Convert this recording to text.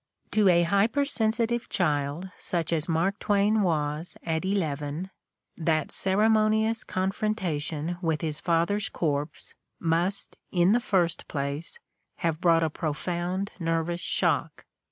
To a hypersensitive child such as Mark Twain was at eleven that ceremonious confrontation with his father's corpse must, in the first place, have brought a profound nervous shock.